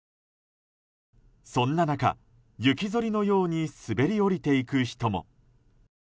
そんな中、雪ぞりのように滑り降りていく人も。